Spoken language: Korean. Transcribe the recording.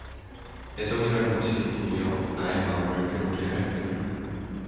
애정이라는 것이 도리 어나 의 마음을 괴롭게 할 뿐야.